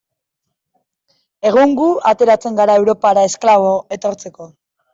Egun gu ateratzen gara Europara esklabo etortzeko.